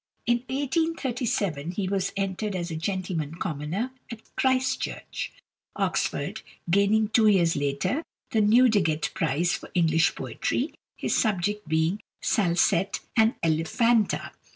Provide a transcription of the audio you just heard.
In 1837 he was entered as a gentleman commoner at Christ Church, Oxford, gaining, two years later, the Newdigate prize for English poetry, his subject being "Salsette and Elephanta."